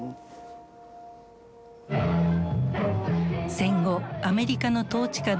戦後アメリカの統治下で生まれ